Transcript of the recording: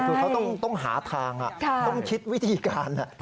คือเขาต้องหาทางต้องคิดวิธีการ